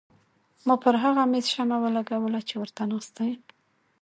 ما پر هغه مېز شمه ولګوله چې ورته ناسته یم.